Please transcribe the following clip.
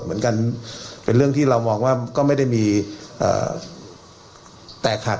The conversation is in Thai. เป็นเรื่องที่เรามองว่าก็ไม่ได้มีแตกหัก